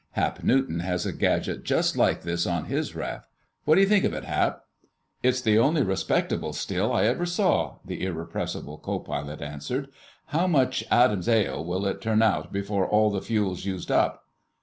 Hap Newton has a gadget just like this on his raft.... What do you think of it, Hap?" "It's the only respectable still I ever saw," the irrepressible co pilot answered. "How much 'Adam's Ale' will it turn out before all the fuel's used up?"